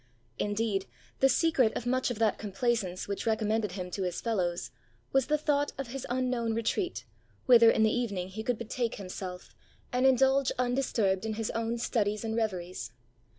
Indeed, the secret of much of that complaisance which recommended him to his fellows, was the thought of his unknown retreat, whither in the evening he could betake himself and indulge undisturbed in his own studies and reveries.